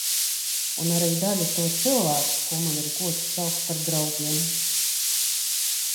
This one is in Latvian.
Un arī daļa to cilvēku, ko man ir gods saukt par draugiem.